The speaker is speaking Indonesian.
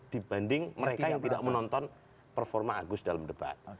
dibanding mereka yang tidak menonton performa agus dalam debat